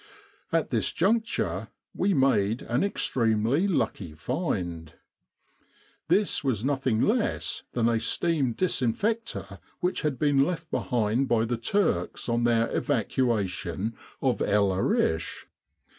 At this juncture we made an extremely lucky find. This was nothing less than a steam disinfector which had been left behind by the Turks on their evacuation of El Arish.